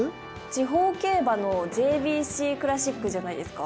地方競馬のＪＢＣクラシックじゃないですか？